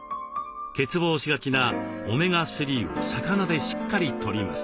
欠乏しがちなオメガ３を魚でしっかりとります。